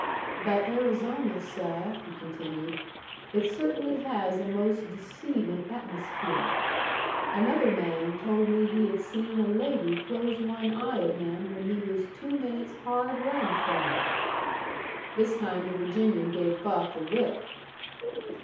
"But Arizona, seh," he continued, "it cert'nly has a mos' deceivin' atmospheah. Another man told me he had seen a lady close one eye at him when he was two minutes hard run from her." This time the Virginian gave Buck the whip.